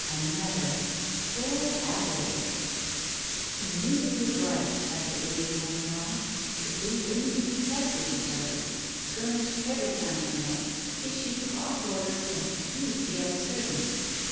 Another 1 Poor Adelaide ! He knew he was right, as the days went on. The two women detested each other, skirmished every time they met, issued cross orders and confused the other servants.